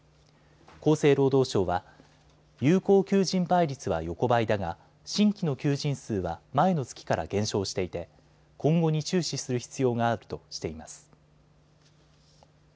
厚生労働省は有効求人倍率は横ばいだが新規の求人数は前の月から減少していて今後に注視する必要があるとしています。